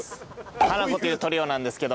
ハナコというトリオなんですけども。